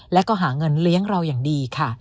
และก็หาเงินเลี้ยงเราอย่างดีค่ะ